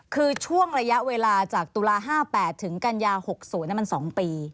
คือช่วงระยะเวลาจากตุลา๕๘ถึงกันยา๖๐มัน๒ปี